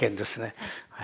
はい。